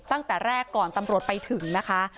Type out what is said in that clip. ตั้งแต่แรกก่อนตำรวจไปถึงนะคะ